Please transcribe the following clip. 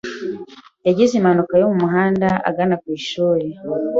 Yagize impanuka yo mumuhanda agana ku ishuri.